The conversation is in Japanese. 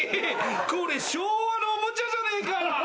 これ昭和のおもちゃじゃねえか。